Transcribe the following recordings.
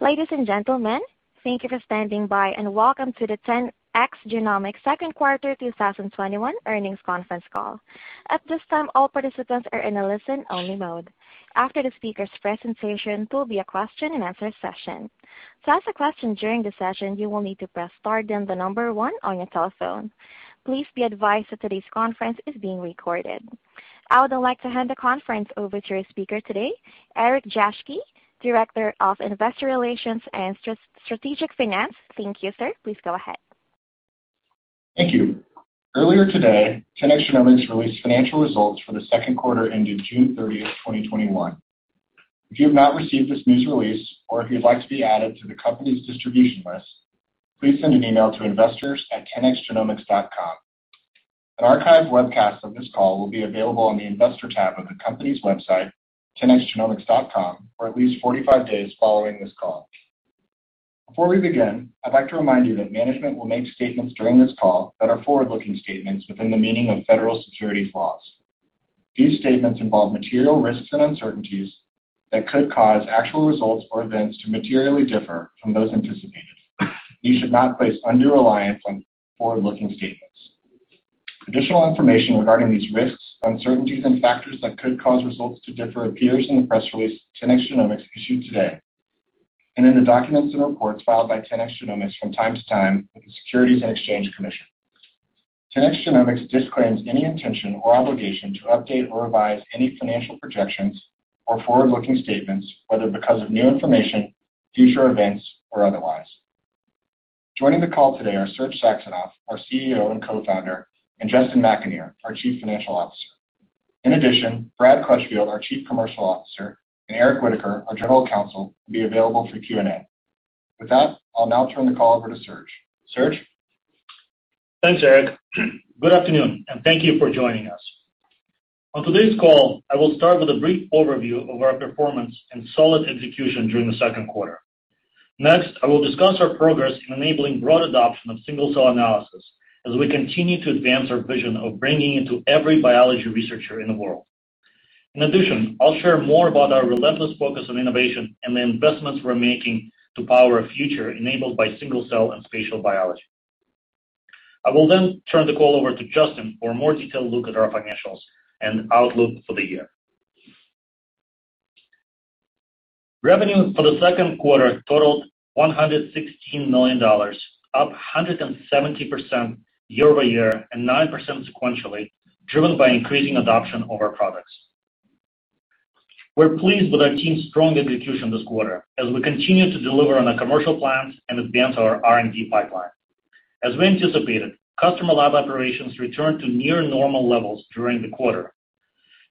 Ladies and gentlemen, thank you for standing by and welcome to the 10x Genomics second quarter 2021 earnings conference call. At this time, all participants are in a listen-only mode. After the speakers' presentation, there will be a question-and-answer session. To ask a question during the session, you will need to press star then the number one on your telephone. Please be advised that this conference is being recorded. I would then like to hand the conference over to your speaker today, Eric Jaschke, Director of Investor Relations and Strategic Finance. Thank you, sir. Please go ahead. Thank you. Earlier today, 10x Genomics released financial results for the second quarter ending June 30th, 2021. If you have not received this news release, or if you'd like to be added to the company's distribution list, please send an email to investors@10xgenomics.com. An archived webcast of this call will be available on the Investor tab of the company's website, 10xgenomics.com, for at least 45 days following this call. Before we begin, I'd like to remind you that management will make statements during this call that are forward-looking statements within the meaning of federal securities laws. These statements involve material risks and uncertainties that could cause actual results or events to materially differ from those anticipated. You should not place undue reliance on forward-looking statements. Additional information regarding these risks, uncertainties, and factors that could cause results to differ appears in the press release 10x Genomics issued today, and in the documents and reports filed by 10x Genomics from time to time with the Securities and Exchange Commission. 10x Genomics disclaims any intention or obligation to update or revise any financial projections or forward-looking statements, whether because of new information, future events, or otherwise. Joining the call today are Serge Saxonov, our CEO and Co-Founder, and Justin McAnear, our Chief Financial Officer. In addition, Brad Crutchfield, our Chief Commercial Officer, and Eric Whitaker, our General Counsel, will be available for Q&A. With that, I'll now turn the call over to Serge. Serge? Thanks, Eric. Good afternoon and thank you for joining us. On today's call, I will start with a brief overview of our performance and solid execution during the second quarter. Next, I will discuss our progress in enabling broad adoption of single-cell analysis as we continue to advance our vision of bringing it to every biology researcher in the world. In addition, I'll share more about our relentless focus on innovation and the investments we're making to power a future enabled by single-cell and spatial biology. I will then turn the call over to Justin for a more detailed look at our financials and outlook for the year. Revenue for the second quarter totaled $116 million, up 170% year-over-year and 9% sequentially, driven by increasing adoption of our products. We're pleased with our team's strong execution this quarter as we continue to deliver on our commercial plans and advance our R&D pipeline. As we anticipated, customer lab operations returned to near normal levels during the quarter.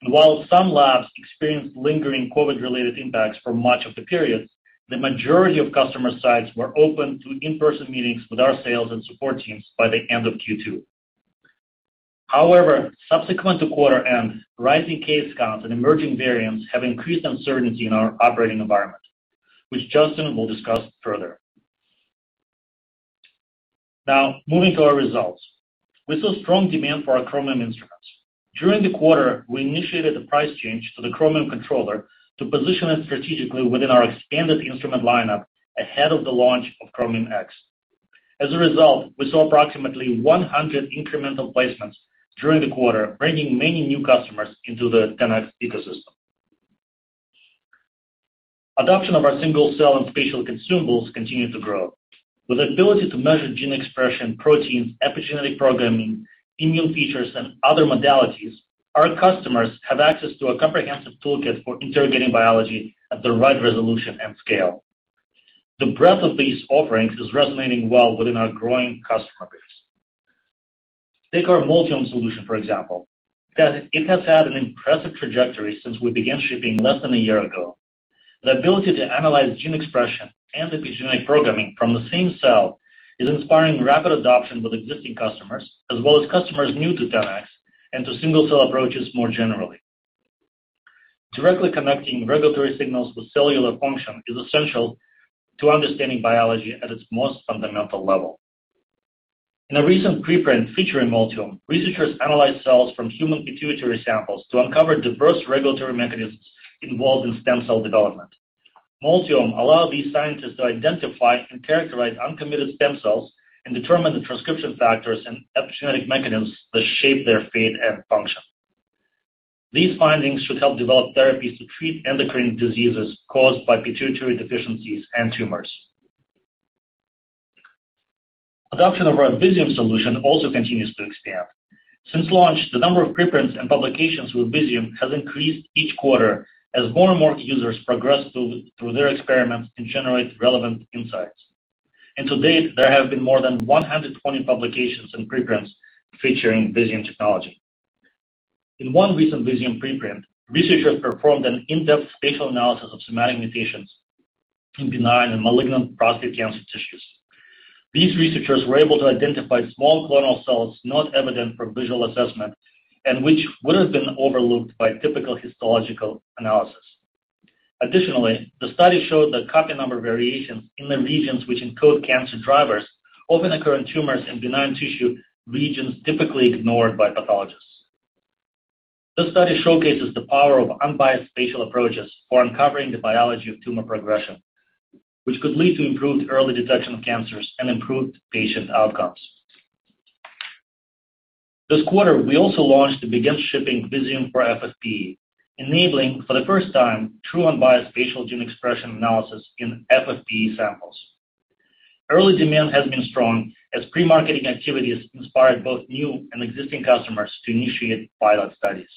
While some labs experienced lingering COVID-related impacts for much of the period, the majority of customer sites were open to in-person meetings with our sales and support teams by the end of Q2. However, subsequent to quarter end, rising case counts and emerging variants have increased uncertainty in our operating environment, which Justin will discuss further. Now, moving to our results. We saw strong demand for our Chromium instruments. During the quarter, we initiated a price change to the Chromium Controller to position it strategically within our expanded instrument lineup ahead of the launch of Chromium X. As a result, we saw approximately 100 incremental placements during the quarter, bringing many new customers into the 10x ecosystem. Adoption of our single-cell and spatial consumables continue to grow. With the ability to measure gene expression, proteins, epigenetic programming, immune features, and other modalities, our customers have access to a comprehensive toolkit for interrogating biology at the right resolution and scale. The breadth of these offerings is resonating well within our growing customer base. Take our Multiome solution, for example. It has had an impressive trajectory since we began shipping less than a year ago. The ability to analyze gene expression and epigenetic programming from the same cell is inspiring rapid adoption with existing customers, as well as customers new to 10x and to single cell approaches more generally. Directly connecting regulatory signals with cellular function is essential to understanding biology at its most fundamental level. In a recent preprint featuring Multiome, researchers analyzed cells from human pituitary samples to uncover diverse regulatory mechanisms involved in stem cell development. Multiome allowed these scientists to identify and characterize uncommitted stem cells and determine the transcription factors and epigenetic mechanisms that shape their fate and function. These findings should help develop therapies to treat endocrine diseases caused by pituitary deficiencies and tumors. Adoption of our Visium solution also continues to expand. Since launch, the number of preprints and publications with Visium has increased each quarter as more and more users progress through their experiments and generate relevant insights. To date, there have been more than 120 publications and preprints featuring Visium technology. In one recent Visium preprint, researchers performed an in-depth spatial analysis of somatic mutations in benign and malignant prostate cancer tissues. These researchers were able to identify small clonal cells not evident for visual assessment and which would have been overlooked by typical histological analysis. Additionally, the study showed that copy number variations in the regions which encode cancer drivers often occur in tumors in benign tissue regions typically ignored by pathologists. This study showcases the power of unbiased spatial approaches for uncovering the biology of tumor progression, which could lead to improved early detection of cancers and improved patient outcomes. This quarter, we also launched the begin shipping Visium for FFPE, enabling, for the first time, true unbiased spatial gene expression analysis in FFPE samples. Early demand has been strong as pre-marketing activities inspired both new and existing customers to initiate pilot studies.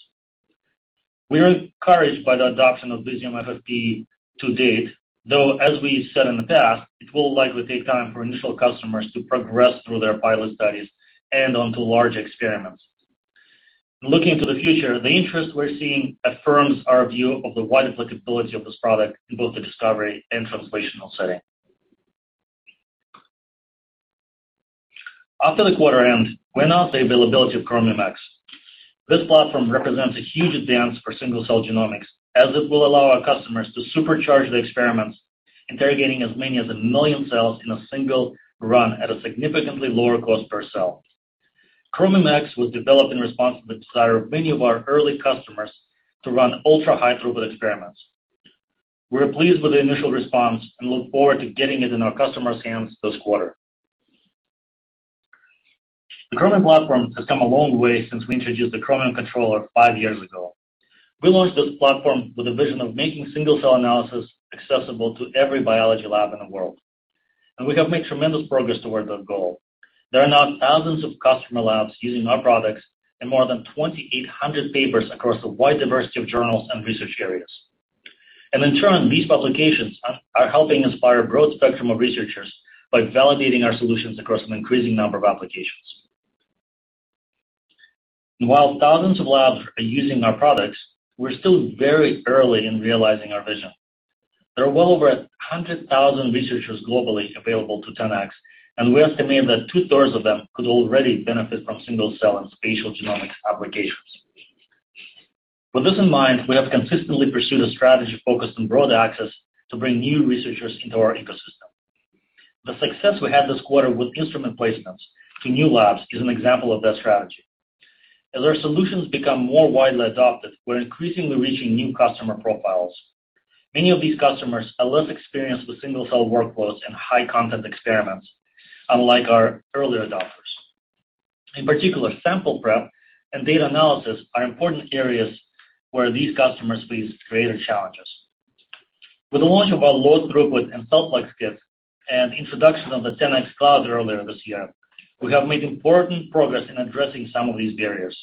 We are encouraged by the adoption of Visium FFPE to date, though as we said in the past, it will likely take time for initial customers to progress through their pilot studies and onto large experiments. Looking to the future, the interest we're seeing affirms our view of the wide applicability of this product in both the discovery and translational setting. After the quarter end, went out the availability of Chromium X. This platform represents a huge advance for single-cell genomics as it will allow our customers to supercharge the experiments, interrogating as many as 1 million cells in a single run at a significantly lower cost per cell. Chromium X was developed in response to the desire of many of our early customers to run ultra-high-throughput experiments. We are pleased with the initial response and look forward to getting it in our customers' hands this quarter. The Chromium platform has come a long way since we introduced the Chromium Controller five years ago. We launched this platform with a vision of making single-cell analysis accessible to every biology lab in the world, and we have made tremendous progress toward that goal. There are now thousands of customer labs using our products and more than 2,800 papers across a wide diversity of journals and research areas. In turn, these publications are helping inspire a broad spectrum of researchers by validating our solutions across an increasing number of applications. While thousands of labs are using our products, we're still very early in realizing our vision. There are well over 100,000 researchers globally available to 10x, and we estimate that 2/3 of them could already benefit from single-cell and spatial genomics applications. With this in mind, we have consistently pursued a strategy focused on broad access to bring new researchers into our ecosystem. The success we had this quarter with instrument placements to new labs is an example of that strategy. As our solutions become more widely adopted, we're increasingly reaching new customer profiles. Many of these customers are less experienced with single-cell workflows and high-content experiments, unlike our early adopters. In particular, sample prep and data analysis are important areas where these customers face greater challenges. With the launch of our Low Throughput and CellPlex kits and introduction of the 10x Cloud earlier this year, we have made important progress in addressing some of these barriers.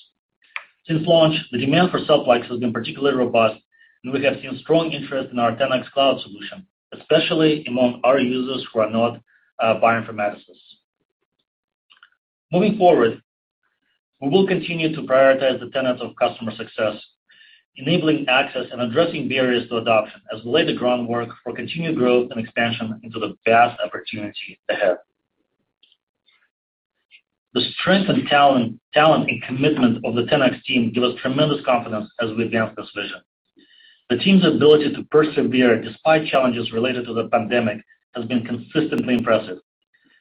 Since launch, the demand for CellPlex has been particularly robust, and we have seen strong interest in our 10x Cloud solution, especially among our users who are not bioinformaticists. Moving forward, we will continue to prioritize the tenets of customer success, enabling access and addressing barriers to adoption as we lay the groundwork for continued growth and expansion into the vast opportunity ahead. The strength and talent, and commitment of the 10x team give us tremendous confidence as we advance this vision. The team's ability to persevere despite challenges related to the pandemic has been consistently impressive.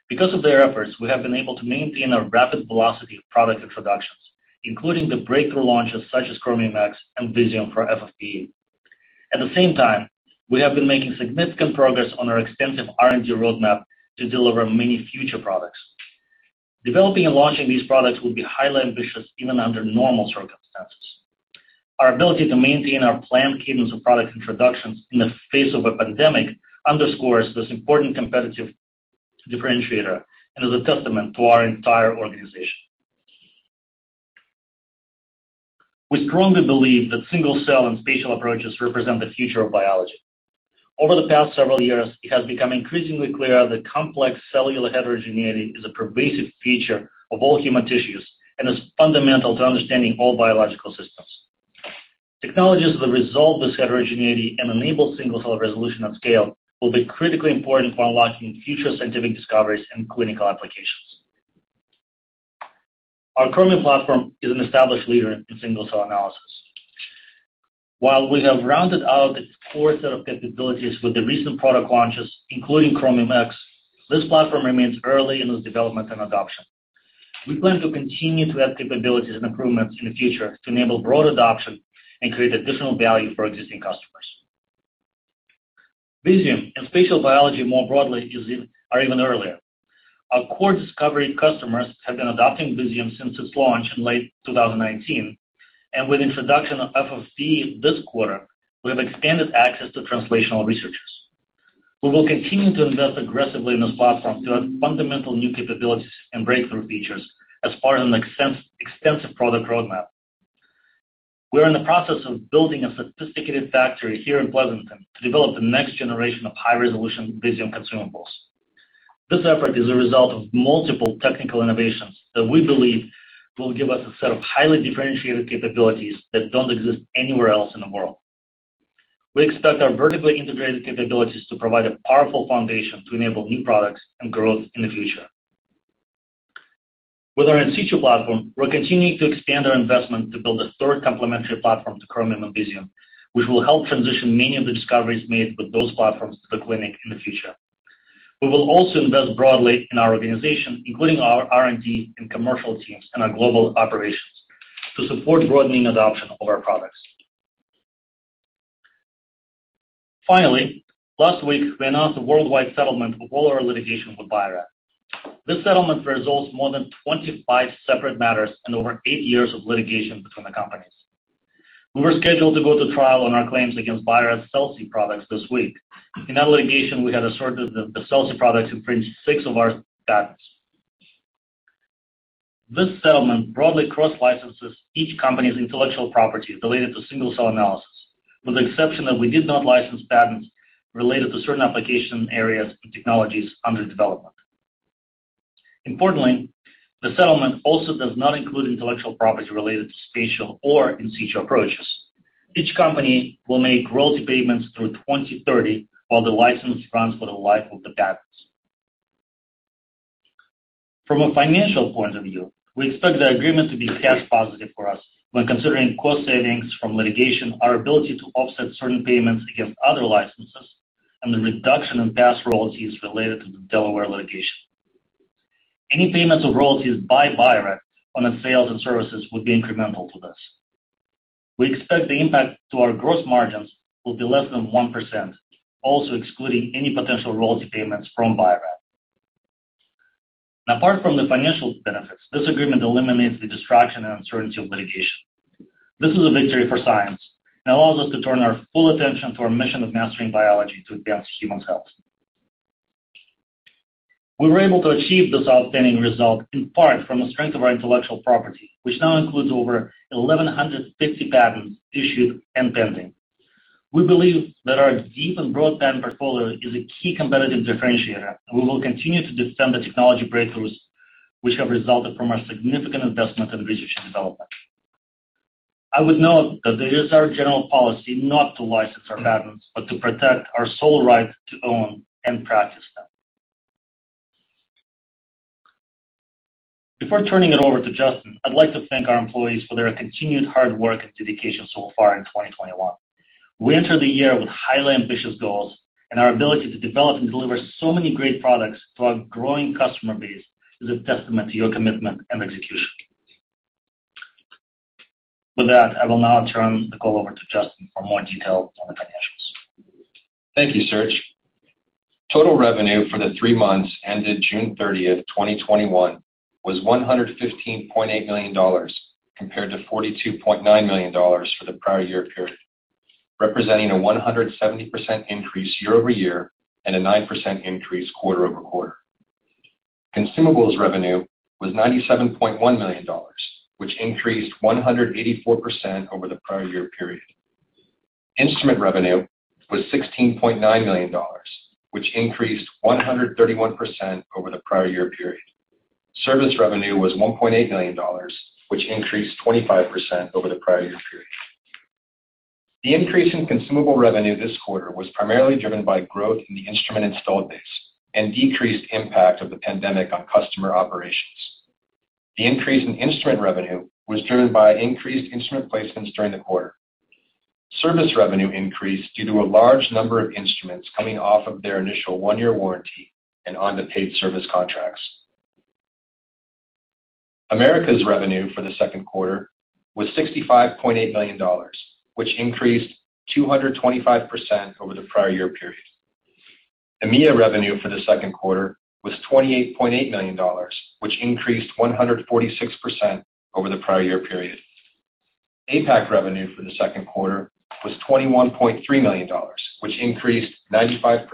Because of their efforts, we have been able to maintain our rapid velocity of product introductions, including the breakthrough launches such as Chromium X and Visium for FFPE. At the same time, we have been making significant progress on our extensive R&D roadmap to deliver many future products. Developing and launching these products would be highly ambitious even under normal circumstances. Our ability to maintain our planned cadence of product introductions in the face of a pandemic underscores this important competitive differentiator and is a testament to our entire organization. We strongly believe that single-cell and spatial approaches represent the future of biology. Over the past several years, it has become increasingly clear that complex cellular heterogeneity is a pervasive feature of all human tissues and is fundamental to understanding all biological systems. Technologies that resolve this heterogeneity and enable single-cell resolution at scale will be critically important for unlocking future scientific discoveries and clinical applications. Our Chromium platform is an established leader in single-cell analysis. While we have rounded out its core set of capabilities with the recent product launches, including Chromium X, this platform remains early in its development and adoption. We plan to continue to add capabilities and improvements in the future to enable broad adoption and create additional value for existing customers. Visium and spatial biology more broadly are even earlier. Our core discovery customers have been adopting Visium since its launch in late 2019, and with introduction of FFPE this quarter, we have expanded access to translational researchers. We will continue to invest aggressively in this platform to add fundamental new capabilities and breakthrough features as part of an extensive product roadmap. We are in the process of building a sophisticated factory here in Pleasanton to develop the next generation of high-resolution Visium consumables. This effort is a result of multiple technical innovations that we believe will give us a set of highly differentiated capabilities that don't exist anywhere else in the world. We expect our vertically integrated capabilities to provide a powerful foundation to enable new products and growth in the future. With our In Situ platform, we're continuing to expand our investment to build a third complementary platform to Chromium and Visium, which will help transition many of the discoveries made with those platforms to the clinic in the future. We will also invest broadly in our organization, including our R&D and commercial teams and our global operations to support broadening adoption of our products. Finally, last week, we announced a worldwide settlement of all our litigation with Bio-Rad. This settlement resolves more than 25 separate matters and over eight years of litigation between the companies. We were scheduled to go to trial on our claims against Bio-Rad's Celsee products this week. In that litigation, we had asserted that the Celsee products infringed six of our patents. This settlement broadly cross-licenses each company's intellectual property related to single-cell analysis, with the exception that we did not license patents related to certain application areas and technologies under development. Importantly, the settlement also does not include intellectual property related to spatial or In Situ approaches. Each company will make royalty payments through 2030 while the license runs for the life of the patents. From a financial point of view, we expect the agreement to be cash positive for us when considering cost savings from litigation, our ability to offset certain payments against other licenses, and the reduction in past royalties related to the Delaware litigation. Any payments of royalties by Bio-Rad on its sales and services would be incremental to this. We expect the impact to our gross margins will be less than 1%, also excluding any potential royalty payments from Bio-Rad. Apart from the financial benefits, this agreement eliminates the distraction and uncertainty of litigation. This is a victory for science and allows us to turn our full attention to our mission of mastering biology to advance human health. We were able to achieve this outstanding result in part from the strength of our intellectual property, which now includes over 1,150 patents issued and pending. We believe that our deep and broad patent portfolio is a key competitive differentiator, and we will continue to defend the technology breakthroughs which have resulted from our significant investment in research and development. I would note that it is our general policy not to license our patents, but to protect our sole right to own and practice them. Before turning it over to Justin, I'd like to thank our employees for their continued hard work and dedication so far in 2021. We entered the year with highly ambitious goals, and our ability to develop and deliver so many great products to our growing customer base is a testament to your commitment and execution. With that, I will now turn the call over to Justin for more details on the financials. Thank you, Serge. Total revenue for the three months ended June 30th, 2021, was $115.8 million, compared to $42.9 million for the prior-year period, representing a 170% increase year-over-year and a 9% increase quarter-over-quarter. Consumables revenue was $97.1 million, which increased 184% over the prior-year period. Instrument revenue was $16.9 million, which increased 131% over the prior-year period. Service revenue was $1.8 million, which increased 25% over the prior-year period. The increase in consumable revenue this quarter was primarily driven by growth in the instrument installed base and decreased impact of the pandemic on customer operations. The increase in instrument revenue was driven by increased instrument placements during the quarter. Service revenue increased due to a large number of instruments coming off of their initial one-year warranty and onto paid service contracts. Americas revenue for the second quarter was $65.8 million, which increased 225% over the prior-year period. EMEA revenue for the second quarter was $28.8 million, which increased 146% over the prior-year period. APAC revenue for the second quarter was $21.3 million, which increased 95%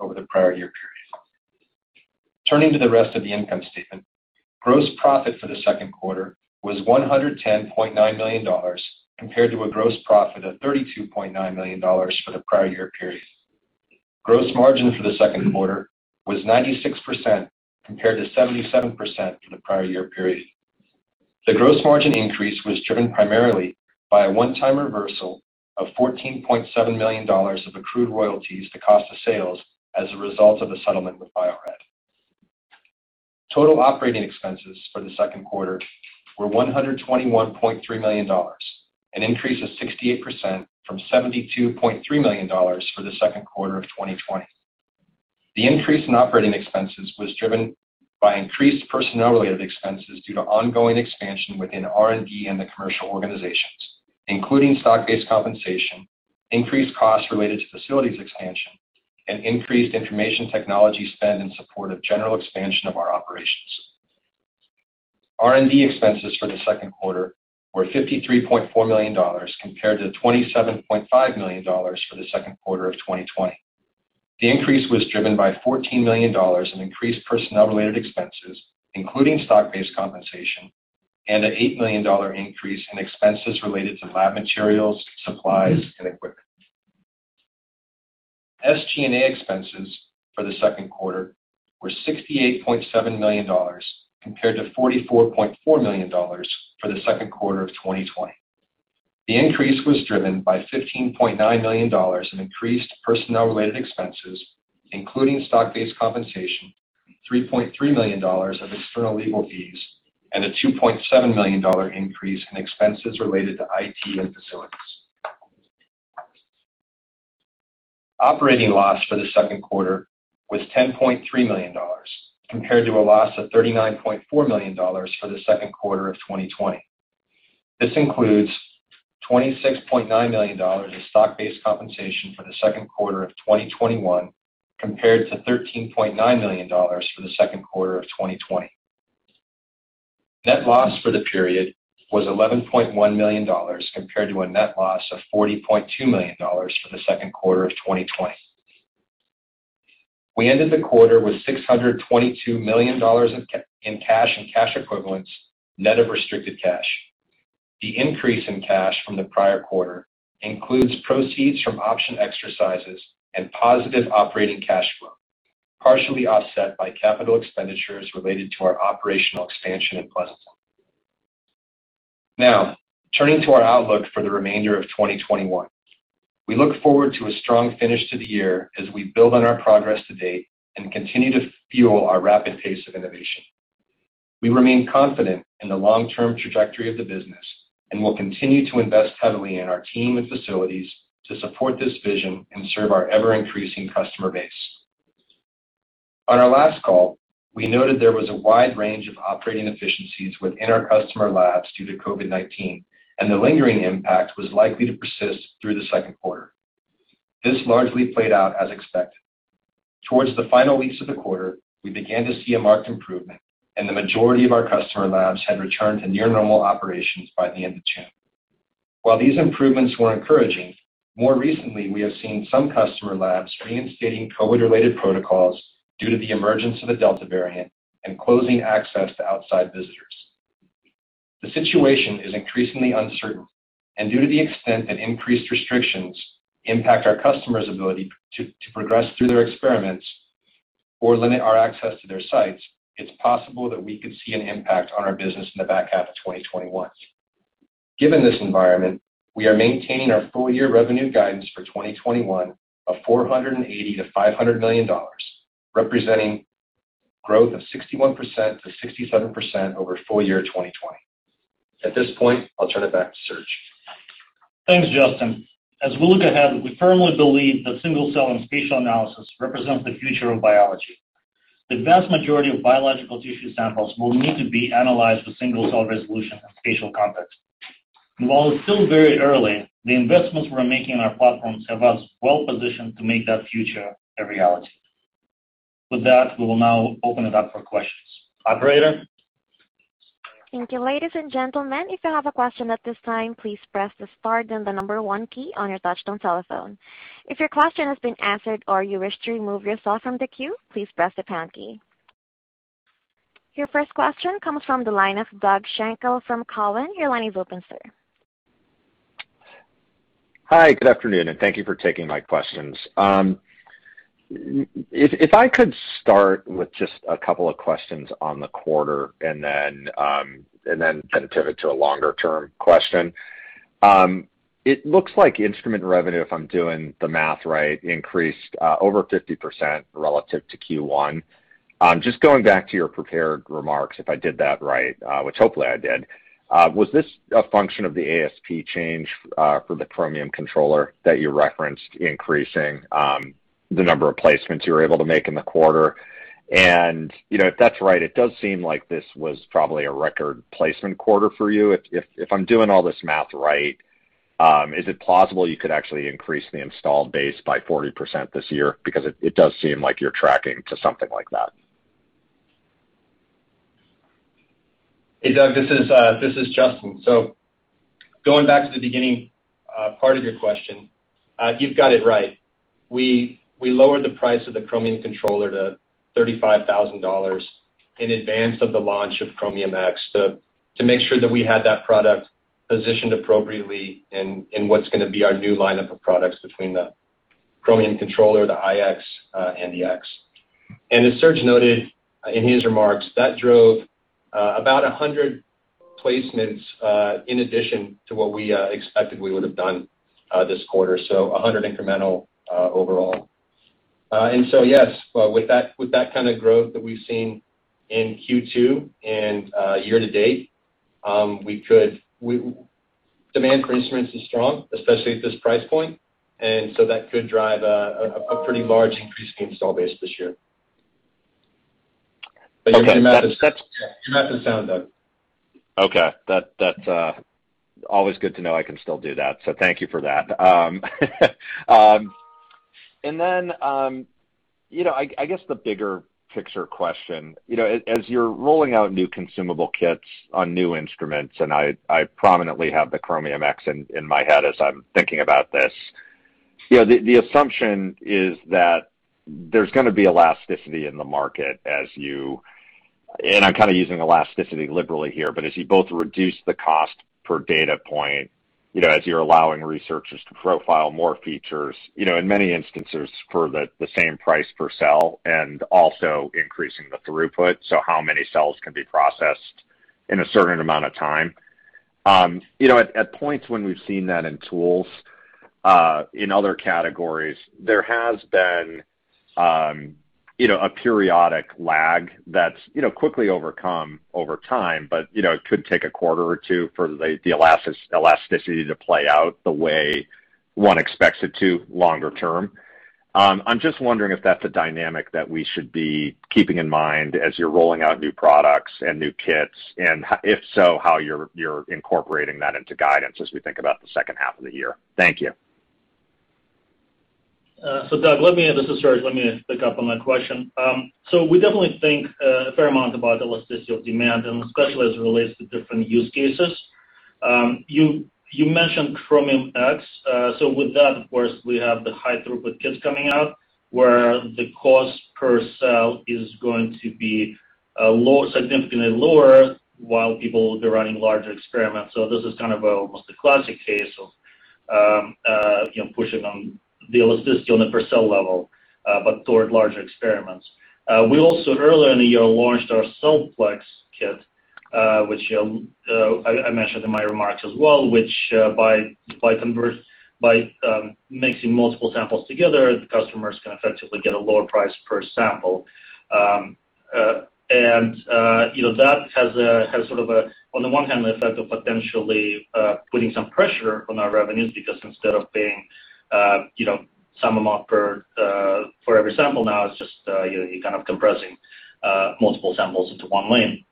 over the prior-year period. Turning to the rest of the income statement, gross profit for the second quarter was $110.9 million, compared to a gross profit of $32.9 million for the prior-year period. Gross margin for the second quarter was 96%, compared to 77% for the prior-year period. The gross margin increase was driven primarily by a one-time reversal of $14.7 million of accrued royalties to cost of sales as a result of the settlement with Bio-Rad. Total operating expenses for the second quarter were $121.3 million, an increase of 68% from $72.3 million for the second quarter of 2020. The increase in operating expenses was driven by increased personnel-related expenses due to ongoing expansion within R&D and the commercial organizations, including stock-based compensation, increased costs related to facilities expansion, and increased information technology spend in support of general expansion of our operations. R&D expenses for the second quarter were $53.4 million, compared to $27.5 million for the second quarter of 2020. The increase was driven by $14 million in increased personnel-related expenses, including stock-based compensation, and an $8 million increase in expenses related to lab materials, supplies, and equipment. SG&A expenses for the second quarter were $68.7 million, compared to $44.4 million for the second quarter of 2020. The increase was driven by $15.9 million in increased personnel-related expenses, including stock-based compensation, $3.3 million of external legal fees, and a $2.7 million increase in expenses related to IT and facilities. Operating loss for the second quarter was $10.3 million, compared to a loss of $39.4 million for the second quarter of 2020. This includes $26.9 million in stock-based compensation for the second quarter of 2021, compared to $13.9 million for the second quarter of 2020. Net loss for the period was $11.1 million, compared to a net loss of $40.2 million for the second quarter of 2020. We ended the quarter with $622 million in cash and cash equivalents, net of restricted cash. The increase in cash from the prior quarter includes proceeds from option exercises and positive operating cash flow, partially offset by capital expenditures related to our operational expansion in Pleasanton. Now, turning to our outlook for the remainder of 2021. We look forward to a strong finish to the year as we build on our progress to date and continue to fuel our rapid pace of innovation. We remain confident in the long-term trajectory of the business and will continue to invest heavily in our team and facilities to support this vision and serve our ever-increasing customer base. On our last call, we noted there was a wide range of operating efficiencies within our customer labs due to COVID-19, and the lingering impact was likely to persist through the second quarter. This largely played out as expected. Towards the final weeks of the quarter, we began to see a marked improvement, and the majority of our customer labs had returned to near-normal operations by the end of June. While these improvements were encouraging, more recently, we have seen some customer labs reinstating COVID-related protocols due to the emergence of the Delta variant and closing access to outside visitors. The situation is increasingly uncertain, and due to the extent that increased restrictions impact our customers' ability to progress through their experiments or limit our access to their sites, it's possible that we could see an impact on our business in the back half of 2021. Given this environment, we are maintaining our full-year revenue guidance for 2021 of $480 million-$500 million, representing growth of 61%-67% over full-year 2020. At this point, I'll turn it back to Serge. Thanks, Justin. As we look ahead, we firmly believe that single-cell and spatial analysis represent the future of biology. The vast majority of biological tissue samples will need to be analyzed with single-cell resolution and spatial context. While it's still very early, the investments we're making in our platforms have us well-positioned to make that future a reality. With that, we will now open it up for questions. Operator? Thank you. Ladies and gentlemen, if you have a question at this time, please press the star then the number one key on your touch-tone telephone. If your question has been answered or you wish to remove yourself from the queue, please press the pound key. Your first question comes from the line of Doug Schenkel from Cowen. Your line is open, sir. Hi, good afternoon and thank you for taking my questions. If I could start with just a couple of questions on the quarter and then pivot to a longer-term question. It looks like instrument revenue, if I'm doing the math right, increased over 50% relative to Q1. Just going back to your prepared remarks, if I did that right, which hopefully I did, was this a function of the ASP change for the Chromium Controller that you referenced increasing the number of placements you were able to make in the quarter? If that's right, it does seem like this was probably a record placement quarter for you. If I'm doing all this math right, is it plausible you could actually increase the installed base by 40% this year? It does seem like you're tracking to something like that. Hey, Doug, this is Justin. Going back to the beginning part of your question, you've got it right. We lowered the price of the Chromium Controller to $35,000 in advance of the launch of Chromium X to make sure that we had that product positioned appropriately in what's going to be our new lineup of products between the Chromium Controller, the iX, and the X. As Serge noted in his remarks, that drove about 100 placements in addition to what we expected we would have done this quarter, so 100 incremental overall. Yes, with that kind of growth that we've seen in Q2 and year-to-date, demand for instruments is strong, especially at this price point, and so that could drive a pretty large increase in install base this year. Okay. Your math is sound, Doug. Okay. That's always good to know I can still do that, so thank you for that. I guess the bigger picture question, as you're rolling out new consumable kits on new instruments, and I prominently have the Chromium X in my head as I'm thinking about this, the assumption is that there's going to be elasticity in the market as you, and I'm kind of using elasticity liberally here, but as you both reduce the cost per data point, as you're allowing researchers to profile more features, in many instances for the same price per cell, and also increasing the throughput, so how many cells can be processed in a certain amount of time. At points when we've seen that in tools in other categories, there has been a periodic lag that's quickly overcome over time, but it could take a quarter or two for the elasticity to play out the way one expects it to longer term. I'm just wondering if that's a dynamic that we should be keeping in mind as you're rolling out new products and new kits, and if so, how you're incorporating that into guidance as we think about the second half of the year? Thank you. Doug, let me, this is Serge. Let me pick up on that question. We definitely think a fair amount about elasticity of demand, and especially as it relates to different use cases. You mentioned Chromium X. With that, of course, we have the high throughput kits coming out, where the cost per cell is going to be significantly lower while people, they're running larger experiments. This is kind of almost a classic case of pushing on the elasticity on a per cell level, but toward larger experiments. We also, earlier in the year, launched our CellPlex kit, which I mentioned in my remarks as well, which by mixing multiple samples together, the customers can effectively get a lower price per sample. That has sort of a, on the one hand, the effect of potentially putting some pressure on our revenues because instead of being sum them up for every sample, now, it's just you're kind of compressing multiple samples into one lane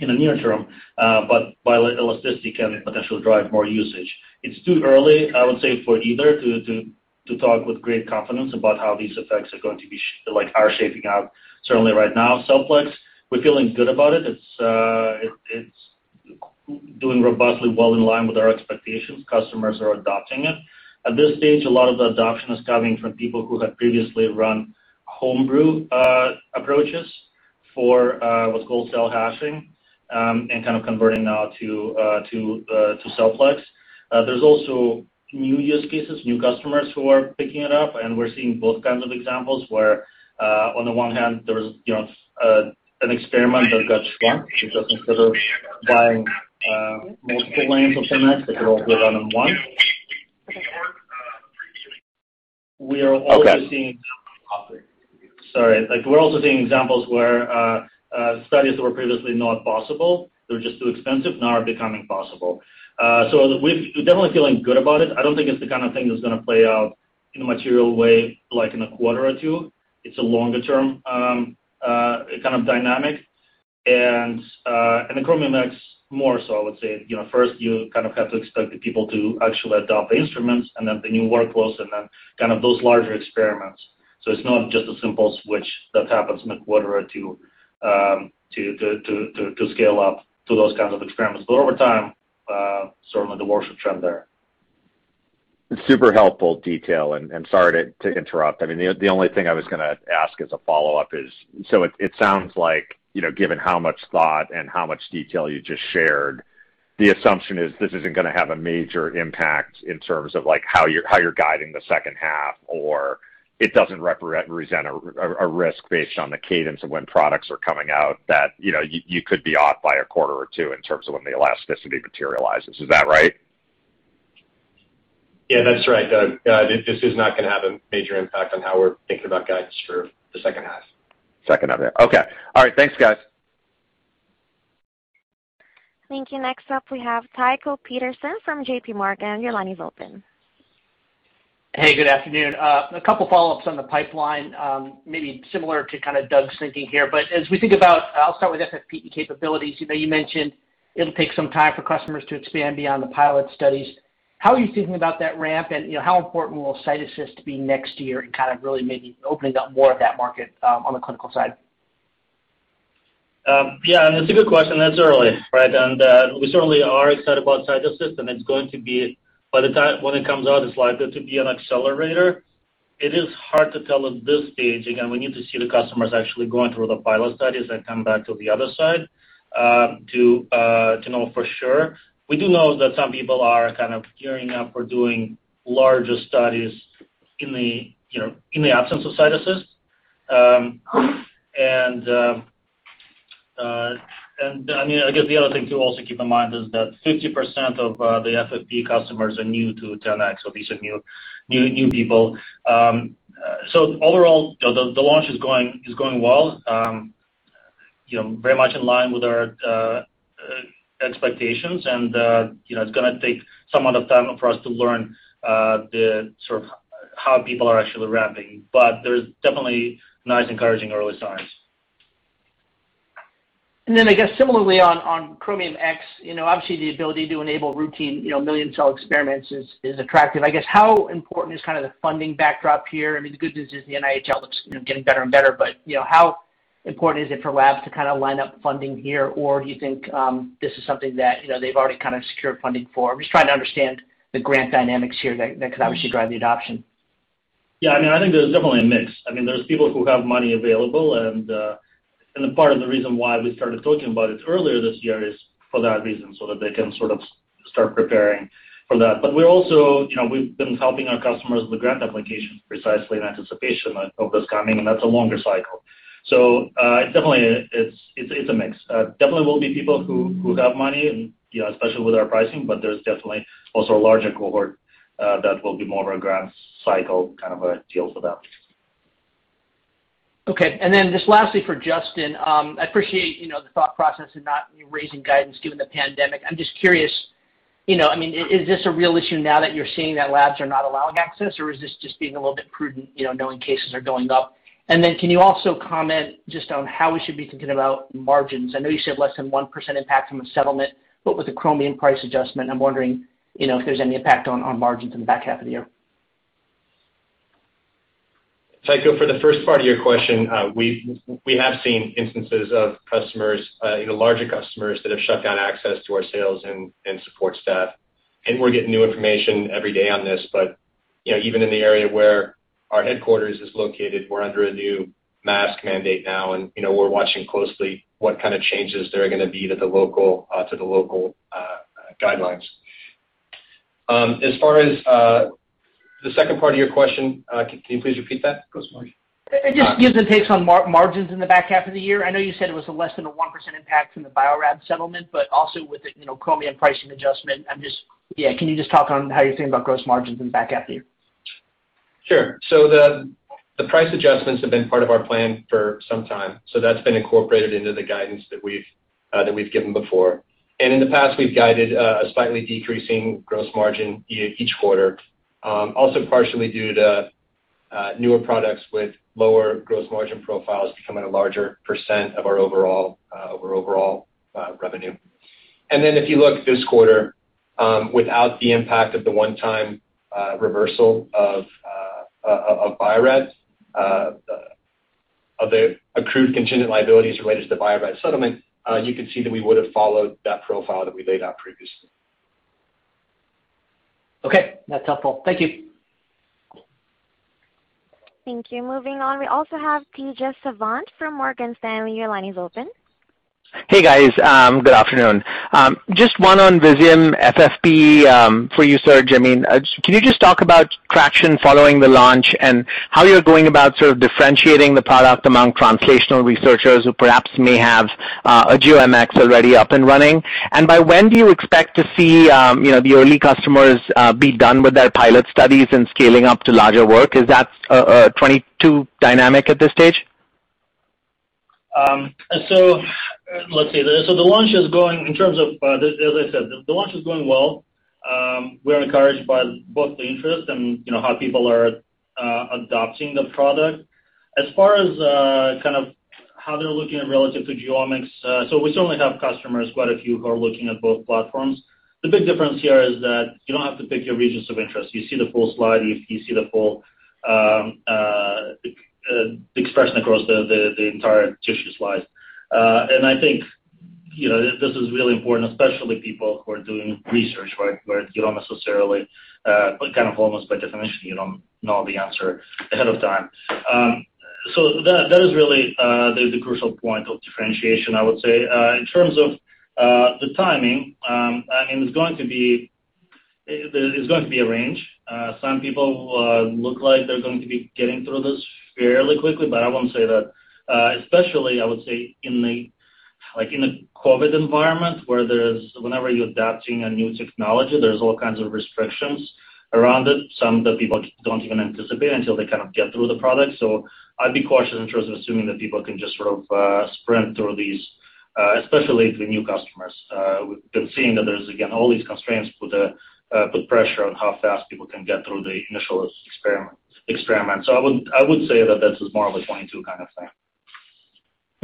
in the near term. While elasticity can potentially drive more usage, it's too early, I would say, for either to talk with great confidence about how these effects are going to be, like, are shaping out. Certainly right now, CellPlex, we're feeling good about it. It's doing robustly well in line with our expectations. Customers are adopting it. At this stage, a lot of the adoption is coming from people who have previously run home brew approaches for what's called cell hashing, and kind of converting now to CellPlex. There's also new use cases, new customers who are picking it up, and we're seeing both kinds of examples where, on the one hand, there was an experiment that got shrunk because instead of buying multiple lanes of 10x, they could all be run in one. Okay. Sorry. We're also seeing examples where studies that were previously not possible, they were just too expensive, now are becoming possible. We're definitely feeling good about it. I don't think it's the kind of thing that's going to play out in a material way, like in a quarter or two. It's a longer-term kind of dynamic, and the Chromium X more so, I would say. First, you kind of have to expect the people to actually adopt the instruments and then the new workflows and then kind of those larger experiments. It's not just a simple switch that happens in a quarter or two to scale up to those kinds of experiments. Over time, certainly the more should trend there. Super helpful detail and sorry to interrupt. I mean, the only thing I was going to ask as a follow-up is, it sounds like, given how much thought and how much detail you just shared, the assumption is this isn't going to have a major impact in terms of how you're guiding the second half, or it doesn't represent a risk based on the cadence of when products are coming out that you could be off by a quarter or two in terms of when the elasticity materializes. Is that right? Yeah, that's right, Doug. This is not going to have a major impact on how we're thinking about guidance for the second half. Second half. Yeah. Okay. All right. Thanks, guys. Thank you. Next up, we have Tycho Peterson from JPMorgan. Your line is open. Hey, good afternoon. A couple follow-ups on the pipeline, maybe similar to kind of Doug's thinking here. But as we think about, I'll start with FFPE capabilities. You mentioned it'll take some time for customers to expand beyond the pilot studies. How are you thinking about that ramp, and how important will CytAssist be next year in kind of really maybe opening up more of that market on the clinical side? It's a good question. That's early, right? We certainly are excited about CytAssist, and it's going to be, by the time when it comes out, it's likely to be an accelerator. It is hard to tell at this stage. Again, we need to see the customers actually going through the pilot studies and come back to the other side to know for sure. We do know that some people are kind of gearing up or doing larger studies in the absence of CytAssist. I guess the other thing to also keep in mind is that 50% of the FFPE customers are new to 10x Genomics, so these are new people. Overall, the launch is going well, very much in line with our expectations, and it's going to take some of the time for us to learn the sort of how people are actually ramping, but there's definitely nice encouraging early signs. I guess similarly on Chromium X, obviously the ability to enable routine million cell experiments is attractive. I guess how important is the funding backdrop here? I mean, the good news is the NIH outlook's getting better and better, but how important is it for labs to line up funding here? Or do you think this is something that they've already secured funding for? I'm just trying to understand the grant dynamics here that could obviously drive the adoption. Yeah, I think there's definitely a mix. There's people who have money available, and a part of the reason why we started talking about it earlier this year is for that reason, so that they can sort of start preparing for that. But we're also, we've been helping our customers with the grant applications precisely in anticipation of this coming, and that's a longer cycle. Definitely, it's a mix. Definitely, there'll be people who have money, especially with our pricing, but there's definitely also a larger cohort that will be more of a grants cycle kind of a deal for them. Okay. Just lastly for Justin, I appreciate the thought process of not raising guidance given the pandemic. I'm just curious, is this a real issue now that you're seeing that labs are not allowing access, or is this just being a little bit prudent, knowing cases are going up? Can you also comment just on how we should be thinking about margins? I know you said less than 1% impact from a settlement, but with the Chromium price adjustment, I'm wondering if there's any impact on margins in the back half of the year. I go for the first part of your question, we have seen instances of customers, larger customers that have shut down access to our sales and support staff, and we're getting new information every day on this. But even in the area where our headquarters is located, we're under a new mask mandate now, and we're watching closely what kind of changes there are going to be to the local guidelines. As far as the second part of your question, can you please repeat that? Just gives and takes on margins in the back half of the year. I know you said it was a less than a 1% impact from the Bio-Rad settlement, but also with the Chromium pricing adjustment, can you just talk on how you're thinking about gross margins in the back half of the year? Sure. The price adjustments have been part of our plan for some time. That's been incorporated into the guidance that we've given before. In the past, we've guided a slightly decreasing gross margin each quarter. Also, partially due to newer products with lower gross margin profiles becoming a larger percent of our overall revenue. If you look this quarter, without the impact of the one-time reversal of Bio-Rad, of the accrued contingent liabilities related to the Bio-Rad settlement, you can see that we would've followed that profile that we laid out previously. Okay. That's helpful. Thank you. Thank you. Moving on, we also have Tejas Savant from Morgan Stanley. Your line is open. Hey, guys. Good afternoon. Just one on Visium FFPE for you, Serge. Can you just talk about traction following the launch and how you're going about differentiating the product among translational researchers who perhaps may have a GeoMx already up and running, and by when do you expect to see the early customers be done with their pilot studies and scaling up to larger work? Is that a 2022 dynamic at this stage? Let's see. As I said, the launch is going well. We're encouraged by both the interest and how people are adopting the product. As far as kind of how they're looking at relative to GeoMx, we certainly have customers, quite a few, who are looking at both platforms. The big difference here is that you don't have to pick your regions of interest. You see the full slide, you see the full expression across the entire tissue slide. I think this is really important, especially people who are doing research where you don't necessarily, almost by definition, know the answer ahead of time. That is really the crucial point of differentiation, I would say. In terms of the timing, there's going to be a range. Some people look like they're going to be getting through this fairly quickly, but I won't say that. Especially, I would say in the COVID environment, where whenever you're adapting a new technology, there's all kinds of restrictions around it, some that people don't even anticipate until they get through the product. I'd be cautious in terms of assuming that people can just sort of sprint through these, especially the new customers. We've been seeing that there's, again, all these constraints put pressure on how fast people can get through the initial experiments. I would say that this is more of a 2022 kind of thing.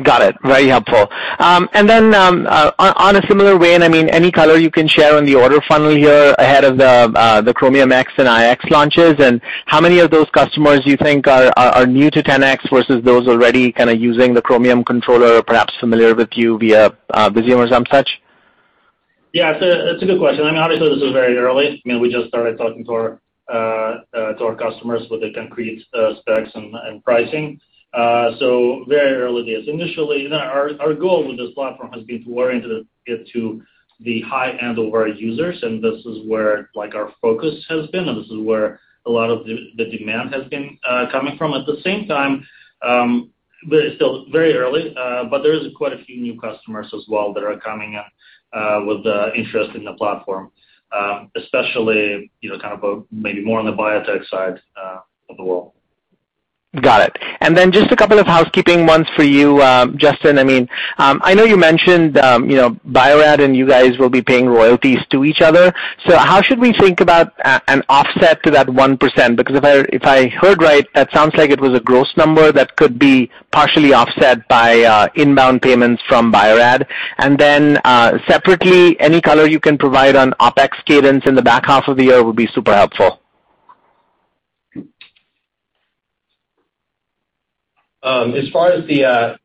Got it. Very helpful. On a similar vein, any color you can share on the order funnel here ahead of the Chromium X and iX launches, and how many of those customers you think are new to 10x versus those already using the Chromium Controller or perhaps familiar with you via Visium or some such? Yeah, it's a good question. Obviously, this is very early. We just started talking to our customers with the concrete specs and pricing, so very early days. Initially, our goal with this platform has been to orient it to the high-end of our users, and this is where our focus has been, and this is where a lot of the demand has been coming from. At the same time, it's still very early, but there is quite a few new customers as well that are coming up with the interest in the platform, especially maybe more on the biotech side of the world. Got it. Just a couple of housekeeping ones for you, Justin. I know you mentioned Bio-Rad and you guys will be paying royalties to each other. How should we think about an offset to that 1%? Because if I heard right, that sounds like it was a gross number that could be partially offset by inbound payments from Bio-Rad. Then, separately, any color you can provide on OpEx cadence in the back half of the year would be super helpful. As far as the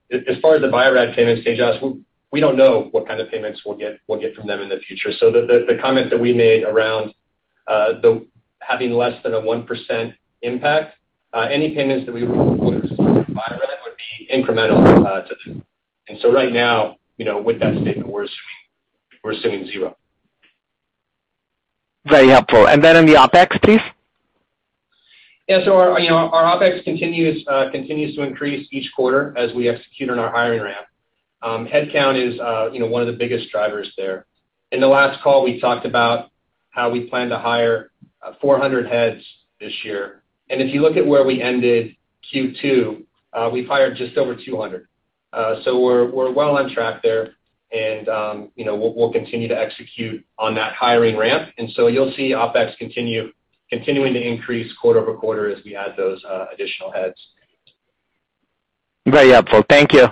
Bio-Rad payments, Tejas, we don't know what kind of payments we'll get from them in the future. The comment that we made around having less than a 1% impact, any payments that we would receive from Bio-Rad would be incremental to that. Right now, with that statement, we're assuming zero. Very helpful. Then on the OpEx, please? Yeah. Our OpEx continues to increase each quarter as we execute on our hiring ramp. Headcount is one of the biggest drivers there. In the last call, we talked about how we plan to hire 400 heads this year. If you look at where we ended Q2, we've hired just over 200. We're well on track there and we'll continue to execute on that hiring ramp. You'll see OpEx continuing to increase quarter-over-quarter as we add those additional heads. Very helpful. Thank you.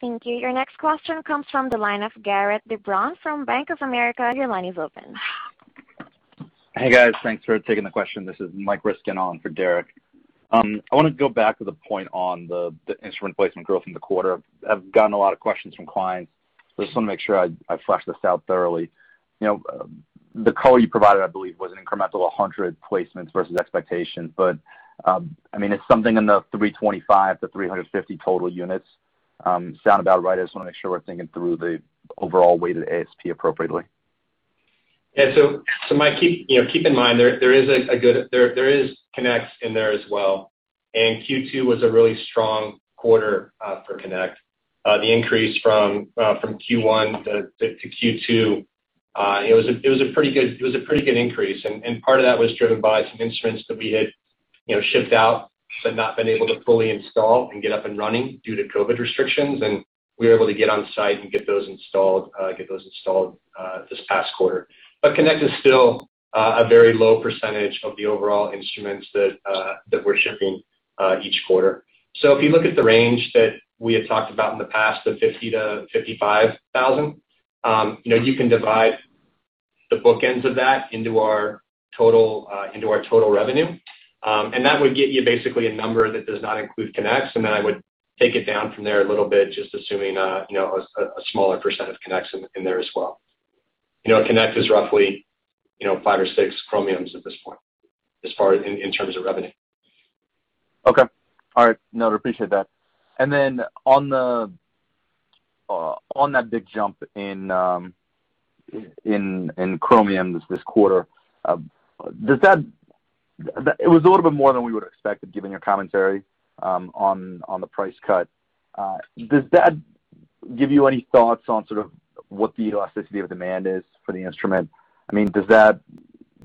Thank you. Your next question comes from the line of Derik de Bruin from Bank of America. Your line is open. Hey, guys. Thanks for taking the question. This is Mike Ryskin on for Derik. I want to go back to the point on the instrument placement growth in the quarter. I've gotten a lot of questions from clients, so I just want to make sure I flesh this out thoroughly. The call you provided, I believe, was an incremental 100 placements versus expectations. It's something in the 325 to 350 total units. Sound about right? I just want to make sure we're thinking through the overall weighted ASP appropriately. Yeah. Mike, keep in mind, there is Connect in there as well, and Q2 was a really strong quarter for Connect. The increase from Q1 to Q2, it was a pretty good increase, and part of that was driven by some instruments that we had shipped out but not been able to fully install and get up and running due to COVID restrictions. We were able to get on-site and get those installed this past quarter. Connect is still a very low percentage of the overall instruments that we're shipping each quarter. If you look at the range that we had talked about in the past, the 50,000-55,000, you can divide the bookends of that into our total revenue. That would get you basically a number that does not include Connect. Then, I would take it down from there a little bit, just assuming a smaller percent of Connect in there as well. Connect is roughly five or six Chromiums at this point in terms of revenue. Okay. All right. No, I appreciate that. On that big jump in Chromium this quarter, it was a little bit more than we would've expected given your commentary on the price cut. Does that give you any thoughts on sort of what the elasticity of demand is for the instrument? Does that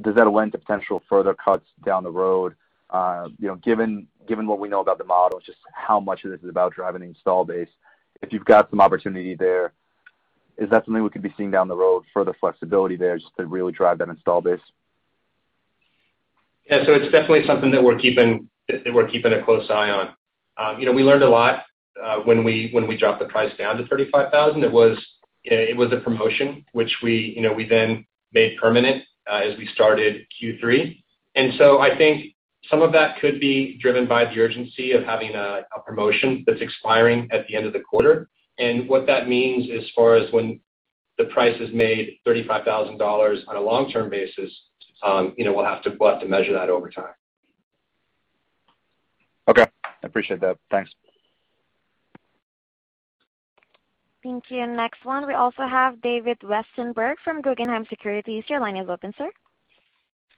lend to potential further cuts down the road? Given what we know about the model, just how much of this is about driving the install base? If you've got some opportunity there, is that something we could be seeing down the road, further flexibility there just to really drive that install base? Yeah. It's definitely something that we're keeping a close eye on. We learned a lot when we dropped the price down to $35,000. It was a promotion, which we then made permanent as we started Q3. I think some of that could be driven by the urgency of having a promotion that's expiring at the end of the quarter. What that means as far as when the price is made $35,000 on a long-term basis, we'll have to measure that over time. Okay. I appreciate that. Thanks. Thank you. Next one, we also have David Westenberg from Guggenheim Securities. Your line is open, sir.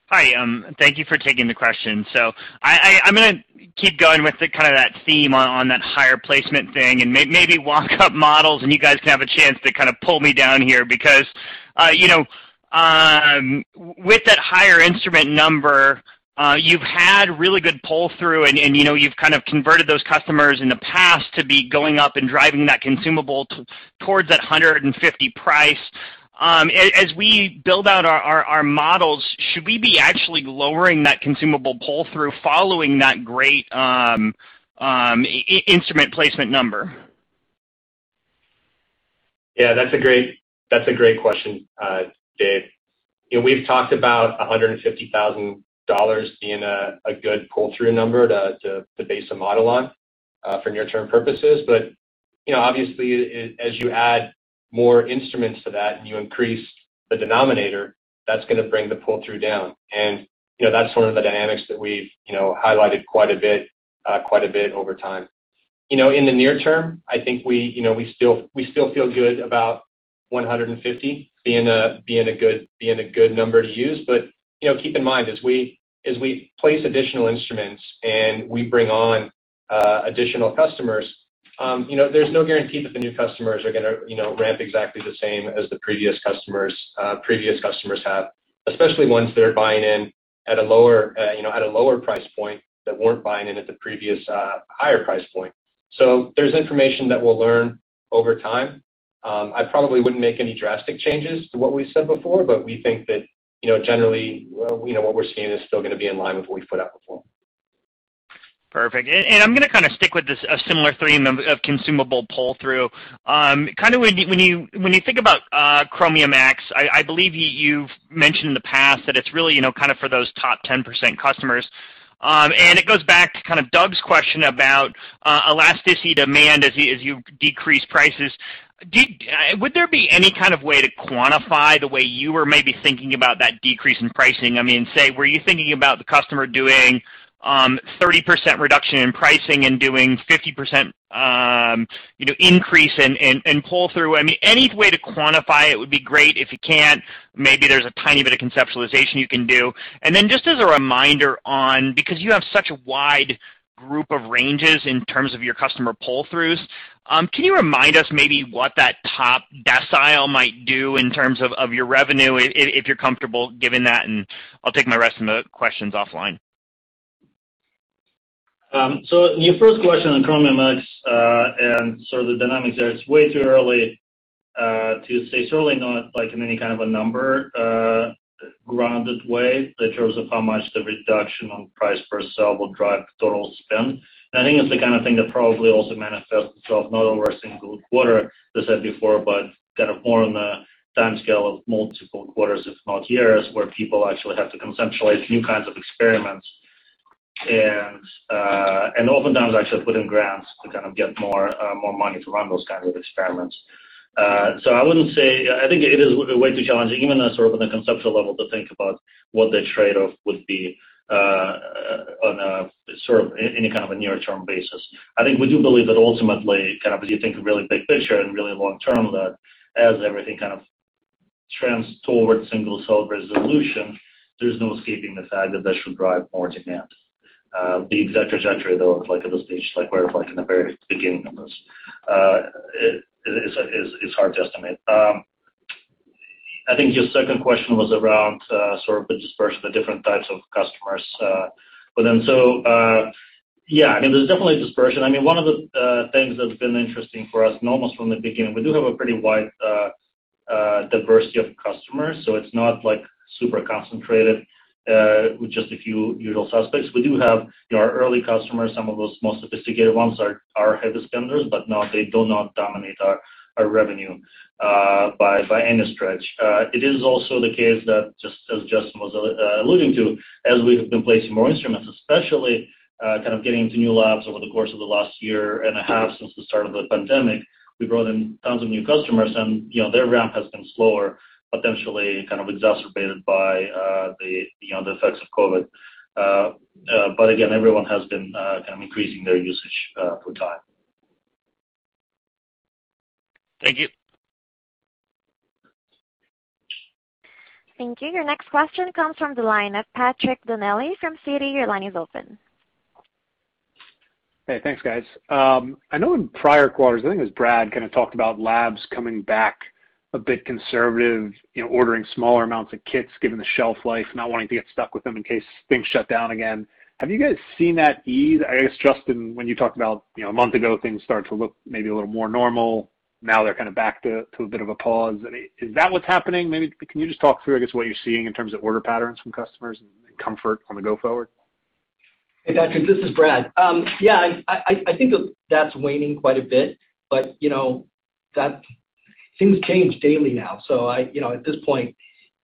Hi, thank you for taking the question. I'm going to keep going with that theme on that higher placement thing and maybe walk up models, and you guys can have a chance to pull me down here because with that higher instrument number, you've had really good pull-through and you've converted those customers in the past to be going up and driving that consumable towards that $150,000 price. As we build out our models, should we be actually lowering that consumable pull-through following that great instrument placement number? Yeah, that's a great question, Dave. We've talked about $150,000 being a good pull-through number to base a model on for near-term purposes, but obviously, as you add more instruments to that and you increase the denominator, that's going to bring the pull-through down. That's one of the dynamics that we've highlighted quite a bit over time. In the near term, I think we still feel good about $150,000 being a good number to use, but keep in mind, as we place additional instruments and we bring on additional customers, there's no guarantee that the new customers are going to ramp exactly the same as the previous customers have, especially ones that are buying in at a lower price point that weren't buying in at the previous higher price point. There's information that we'll learn over time. I probably wouldn't make any drastic changes to what we've said before, but we think that generally, what we're seeing is still going to be in line with what we've put out before. Perfect. I'm going to stick with this, a similar theme of consumable pull-through. When you think about Chromium X, I believe you've mentioned in the past that it's really for those top 10% customers. It goes back to Doug's question about elasticity demand as you decrease prices. Would there be any kind of way to quantify the way you were maybe thinking about that decrease in pricing? Say, were you thinking about the customer doing 30% reduction in pricing and doing 50% increase in pull-through? Any way to quantify it would be great. If you can't, maybe there's a tiny bit of conceptualization you can do. Just as a reminder on, because you have such a wide group of ranges in terms of your customer pull-throughs, can you remind us maybe what that top decile might do in terms of your revenue, if you're comfortable giving that? I'll take my rest of the questions offline. Your first question on Chromium X, and so the dynamics there, it's way too early to say. Certainly not in any kind of a number-grounded way in terms of how much the reduction on price per cell will drive total spend. I think it's the kind of thing that probably also manifests itself not over a single quarter, as I said before, but more on the timescale of multiple quarters, if not years, where people actually have to conceptualize new kinds of experiments. Oftentimes, actually put in grants to get more money to run those kinds of experiments. I think it is way too challenging, even at the conceptual level, to think about what the trade-off would be on any kind of a near-term basis. I think we do believe that ultimately, as you think really big picture and really long-term, that as everything trends toward single-cell resolution, there's no escaping the fact that this should drive more demands. The exact trajectory that it looks like at this stage, we're in the very beginning of this. It's hard to estimate. I think your second question was around the dispersion of different types of customers within. Yeah, there's definitely dispersion. One of the things that's been interesting for us, and almost from the beginning, we do have a pretty wide diversity of customers, so it's not like super concentrated with just a few usual suspects. We do have our early customers, some of those more sophisticated ones are heavy spenders, but no, they do not dominate our revenue by any stretch. It is also the case that just as Justin was alluding to, as we have been placing more instruments, especially getting into new labs over the course of the last year and a half since the start of the pandemic, we brought in tons of new customers and their ramp has been slower, potentially exacerbated by the effects of COVID. Again, everyone has been increasing their usage over time. Thank you. Thank you. Your next question comes from the line of Patrick Donnelly from Citi. Your line is open. Hey, thanks, guys. I know in prior quarters, I think it was Brad, kind of talked about labs coming back a bit conservative, ordering smaller amounts of kits given the shelf life, not wanting to get stuck with them in case things shut down again. Have you guys seen that ease? I guess, Justin, when you talked about a month ago, things started to look maybe a little more normal, now they're back to a bit of a pause. Is that what's happening? Maybe can you just talk through, I guess, what you're seeing in terms of order patterns from customers and comfort on the go forward? Hey, Patrick, this is Brad. Yeah, I think that's waning quite a bit, but things change daily now, so at this point,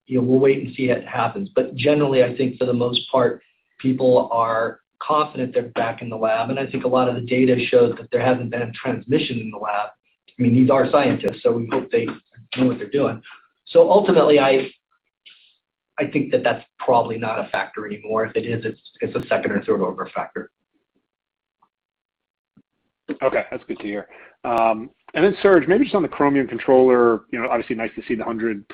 we'll wait and see what happens. Generally, I think for the most part, people are confident they're back in the lab, and I think a lot of the data shows that there hasn't been a transmission in the lab. These are scientists, so we hope they know what they're doing. Ultimately, I think that that's probably not a factor anymore. If it is, it's a second or third-order factor. Okay, that's good to hear. Serge, maybe just on the Chromium Controller, obviously nice to see the 100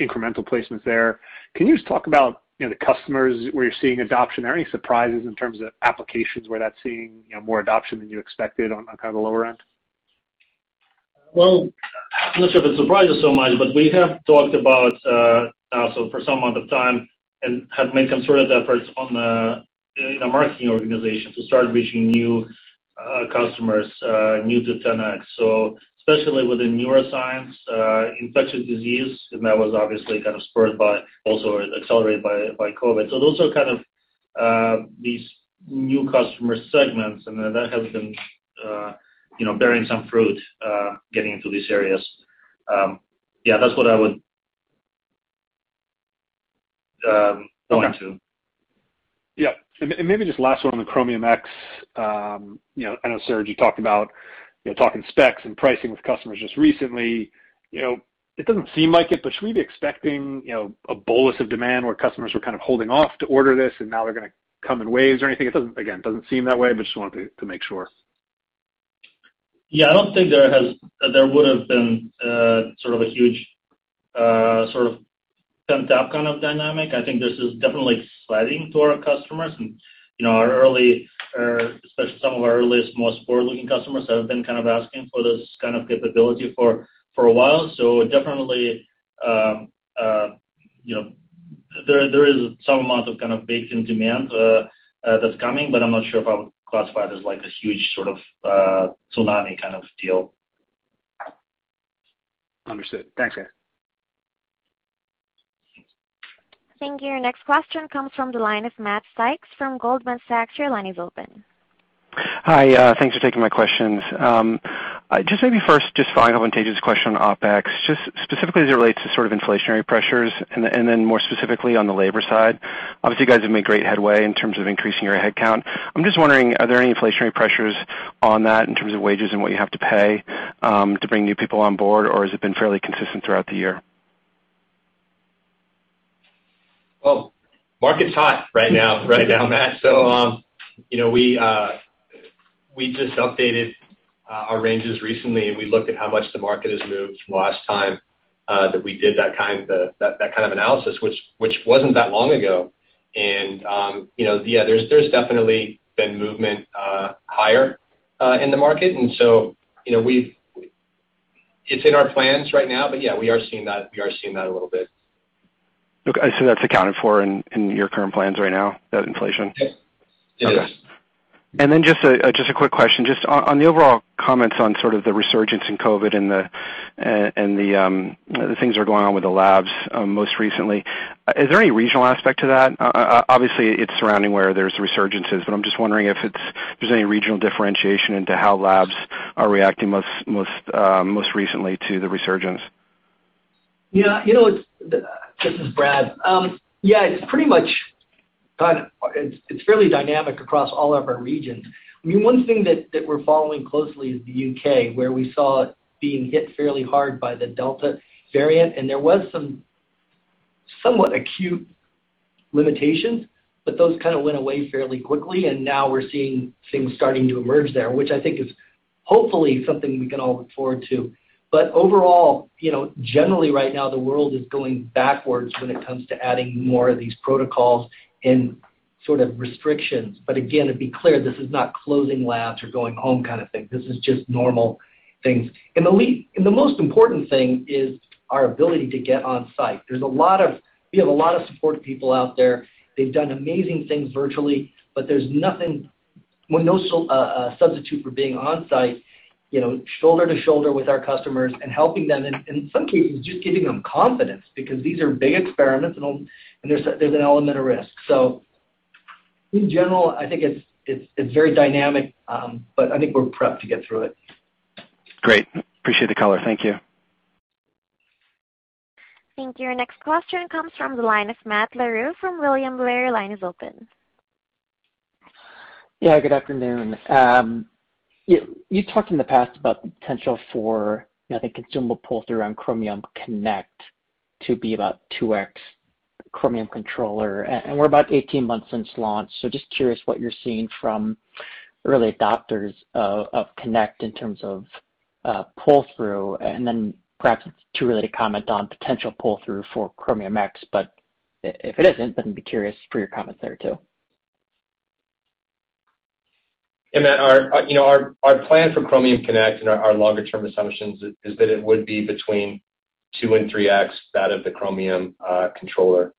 incremental placements there. Can you just talk about the customers where you're seeing adoption? Are there any surprises in terms of applications where that's seeing more adoption than you expected on the lower end? I'm not sure if it surprises so much, but we have talked about also for some amount of time and have made concerted efforts in the marketing organization to start reaching new customers, new to 10x, especially within neuroscience, infectious disease, and that was obviously spurred by, also accelerated by COVID. Those are these new customer segments, and that has been bearing some fruit, getting into these areas. Yeah, that's what I would go into. Yeah. Maybe just last one on the Chromium X. I know, Serge, you talked about talking specs and pricing with customers just recently. It doesn't seem like it, but should we be expecting a bolus of demand where customers were holding off to order this and now, they're going to come in waves or anything? It, again, doesn't seem that way, but just wanted to make sure. Yeah, I don't think there would've been a huge pent-up kind of dynamic. I think this is definitely exciting to our customers and especially some of our earliest, most forward-looking customers that have been asking for this kind of capability for a while. Definitely, there is some amount of baked-in demand that's coming, but I'm not sure if I would classify it as a huge tsunami kind of deal. Understood. Thanks, guys. Thank you. Our next question comes from the line of Matt Sykes from Goldman Sachs. Your line is open. Hi. Thanks for taking my questions. Just maybe first, just following up on Taj's question on OpEx, just specifically as it relates to inflationary pressures and then more specifically on the labor side. Obviously, you guys have made great headway in terms of increasing your headcount. I'm just wondering, are there any inflationary pressures on that in terms of wages and what you have to pay to bring new people on board, or has it been fairly consistent throughout the year? Well, market's hot right now, Matt, so we just updated our ranges recently, and we looked at how much the market has moved from last time that we did that kind of analysis, which wasn't that long ago. There's definitely been movement higher in the market, and so it's in our plans right now, but yeah, we are seeing that a little bit. Okay. That's accounted for in your current plans right now, that inflation? Yes. Okay. Just a quick question. Just on the overall comments on sort of the resurgence in COVID and the things that are going on with the labs most recently, is there any regional aspect to that? Obviously, it's surrounding where there's resurgences, but I'm just wondering if there's any regional differentiation into how labs are reacting most recently to the resurgence. This is Brad. Yeah, it's fairly dynamic across all of our regions. One thing that we're following closely is the U.K., where we saw it being hit fairly hard by the Delta variant, and there was some somewhat acute limitations, but those kind of went away fairly quickly, and now, we're seeing things starting to emerge there, which I think is hopefully something we can all look forward to. Overall, generally right now the world is going backwards when it comes to adding more of these protocols and sort of restrictions. Again, to be clear, this is not closing labs or going home kind of thing. This is just normal things. The most important thing is our ability to get on site. We have a lot of supportive people out there. They've done amazing things virtually, but there's no substitute for being on site, shoulder to shoulder with our customers and helping them in some cases, just giving them confidence because these are big experiments, and there's an element of risk. In general, I think it's very dynamic, but I think we're prepped to get through it. Great. Appreciate the color. Thank you. Thank you. Our next question comes from the line of Matt Larew from William Blair. Your line is open. Yeah, good afternoon. You talked in the past about the potential for the consumable pull-through on Chromium Connect to be about 2x Chromium Controller, and we're about 18 months since launch. Just curious what you're seeing from early adopters of Connect in terms of pull-through, and then perhaps it's too early to comment on potential pull-through for Chromium X, but if it isn't, then I'd be curious for your comments there, too. Hey, Matt. Our plan for Chromium Connect and our longer-term assumptions is that it would be between 2x and 3x that of the Chromium Controller.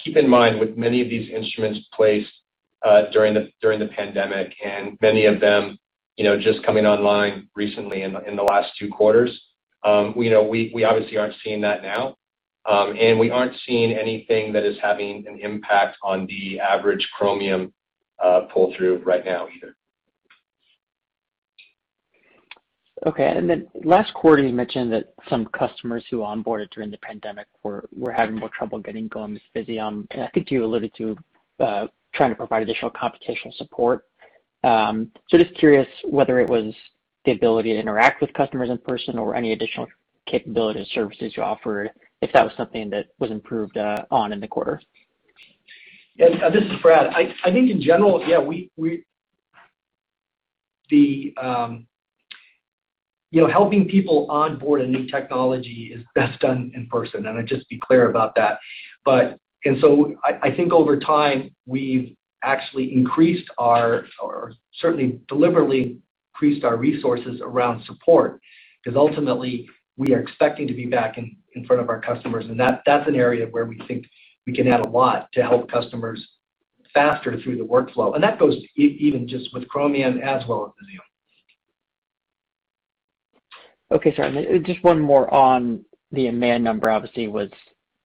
Keep in mind, with many of these instruments placed during the pandemic and many of them just coming online recently in the last two quarters, we obviously aren't seeing that now, and we aren't seeing anything that is having an impact on the average Chromium pull-through right now either. Okay. Last quarter, you mentioned that some customers who onboarded during the pandemic were having more trouble getting going with Visium, and I think you alluded to trying to provide additional computational support. Just curious whether it was the ability to interact with customers in person or any additional capabilities or services you offered, if that was something that was improved on in the quarter. Yeah. This is Brad. I think in general, helping people onboard a new technology is best done in person, and I'd just be clear about that. I think over time, we've actually increased, or certainly deliberately increased our resources around support, because ultimately we are expecting to be back in front of our customers, and that's an area where we think we can add a lot to help customers faster through the workflow, and that goes even just with Chromium as well as Visium. Okay. Sorry, just one more on the EMEA number, obviously, was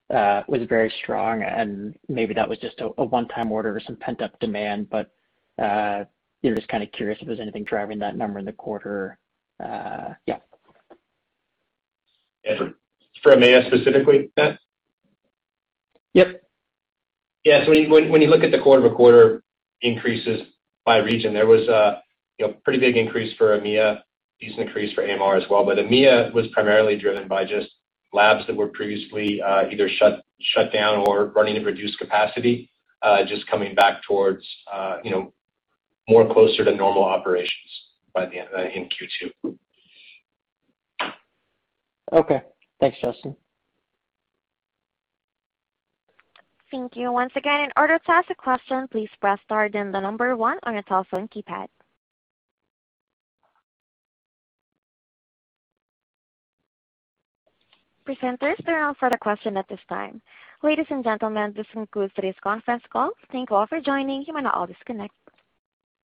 very strong, and maybe that was just a one-time order or some pent-up demand, but we were just kind of curious if there's anything driving that number in the quarter. Yeah. For EMEA specifically, Matt? Yep. Yeah. When you look at the quarter-over-quarter increases by region, there was a pretty big increase for EMEA, decent increase for AMR as well. EMEA was primarily driven by just labs that were previously either shut down or running at reduced capacity, just coming back towards more closer to normal operations in Q2. Okay. Thanks, Justin. Thank you. Once again, in order to ask a question, please press star then the number one on your telephone keypad. Presenters, there are no further questions at this time. Ladies and gentlemen, this concludes today's conference call. Thank you all for joining. You may now all disconnect.